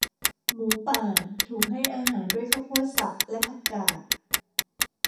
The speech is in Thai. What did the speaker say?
หมูป่าถูกให้อาหารด้วยข้าวโพดสับและ ผักกาด